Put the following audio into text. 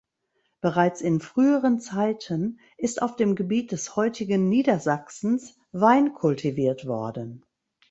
Bereits in früheren Zeiten ist auf dem Gebiet des heutigen Niedersachsens Wein kultiviert worden.